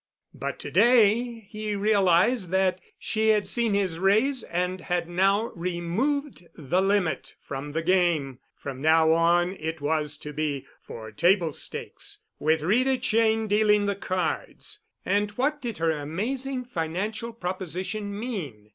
But to day he realized that she had seen his raise and had now removed the limit from the game. From now on it was to be for table stakes, with Rita Cheyne dealing the cards. And what did her amazing financial proposition mean?